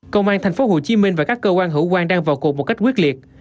công an thành phố hồ chí minh và các cơ quan hữu quan đang vào cuộc một cách quyết liệt